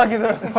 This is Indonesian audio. oh gitu ya